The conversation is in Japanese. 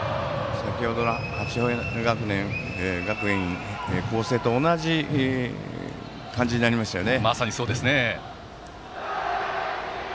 先程の八戸学院光星と同じ感じになりましたよね。